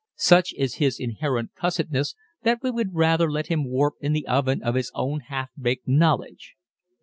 Such is his inherent cussedness that we would rather let him warp in the oven of his own half baked knowledge.